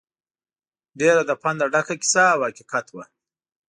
ډېره له پنده ډکه کیسه او حقیقت وه.